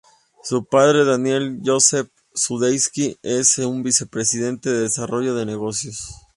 Su padre, Daniel Joseph Sudeikis, es un vicepresidente de desarrollo de negocios.